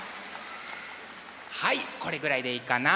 はいこれぐらいでいいかな。